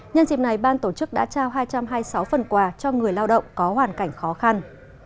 nhân dịp này ban tổ chức đã trao hai trăm hai mươi sáu phần quà cho người lao động có hoàn cảnh khó khăn